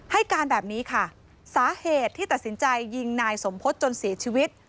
ให้การแบบนี้ค่ะสาเหตุที่ตัดสินใจยิงนายสมพจน์จนเสียชีวิต